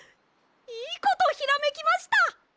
いいことひらめきました！